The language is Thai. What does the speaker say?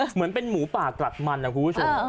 เหมือนเป็นหมูป่ากลัดมันนะคุณผู้ชม